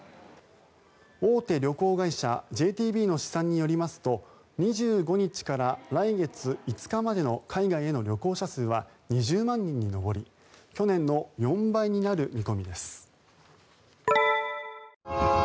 大手旅行会社ＪＴＢの試算によりますと２５日から来月５日までの海外への旅行者数は２０万人に上り去年の４倍になる見込みです。